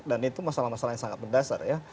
dan itu masalah masalah yang sangat mendasar ya